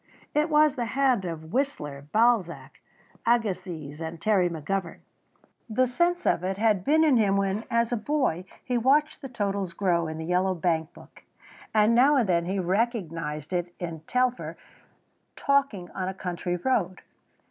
It was the hand of Whistler, Balzac, Agassiz, and Terry McGovern. The sense of it had been in him when as a boy he watched the totals grow in the yellow bankbook, and now and then he recognised it in Telfer talking on a country road.